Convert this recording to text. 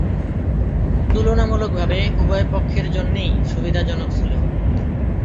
তুলনামূলকভাবে উভয়পক্ষের জন্যেই সুবিধাজনক ছিল।